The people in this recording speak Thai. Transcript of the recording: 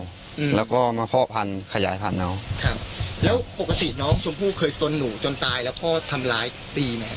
อืมแล้วก็มาเพาะพันธุ์ขยายพันธุ์เอาครับแล้วปกติน้องชมพู่เคยสนหนูจนตายแล้วพ่อทำร้ายตีไหมครับ